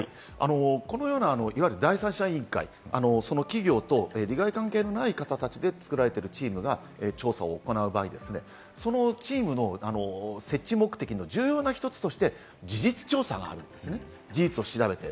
このような第三者委員会、その企業と利害関係のない形で作られているチームが調査を行う場合、そのチームの設置目的の重要な１つとして、事実調査があるんです。